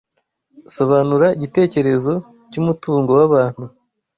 Sobanura igitekerezo cyumutungo wabantu